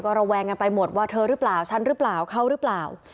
ระแวงกันไปหมดว่าเธอหรือเปล่าฉันหรือเปล่าเขาหรือเปล่า